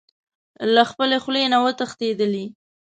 له خپلې خولې نه و تښتېدلی.